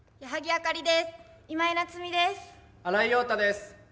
新井庸太です。